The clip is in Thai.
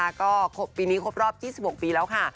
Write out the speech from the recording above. ในปีนี้ก็ครบรอบ๒๖ปีแล้วค่ะ